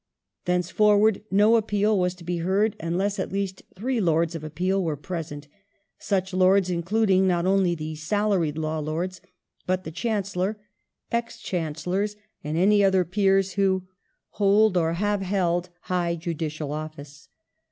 Thenceforward no appeal was to be heard unless at least three Lords of Appeal were present ; such Lords including not only the salaried Law Lords but the Chancellor, ex Chancellors and any other Peers who " hold or have 1874] THE JUDICATURE ACTS 419 held high judicial office